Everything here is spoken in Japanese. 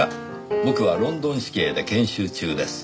「僕はロンドン市警で研修中です」